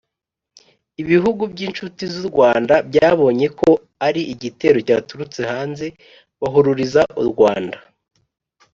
ibihugu by'inshuti z'u rwanda byabonye ko ari igitero cyaturutse hanze bahururiza u rwanda